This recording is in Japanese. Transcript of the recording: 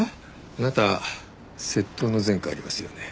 あなた窃盗の前科ありますよね？